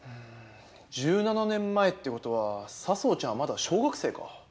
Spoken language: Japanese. １７年前って事は佐相ちゃんはまだ小学生か。